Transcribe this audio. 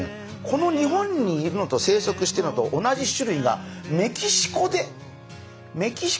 この日本にいるのと生息しているのと同じ種類がメキシコで。